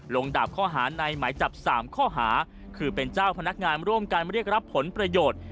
ดาบข้อหาในหมายจับ๓ข้อหาคือเป็นเจ้าพนักงานร่วมกันเรียกรับผลประโยชน์